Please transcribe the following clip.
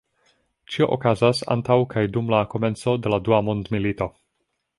Ĉio okazas antaŭ kaj dum la komenco de la Dua Mondmilito.